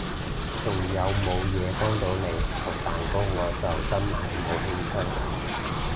仲有無嘢幫到你？焗蛋糕我就真係冇興趣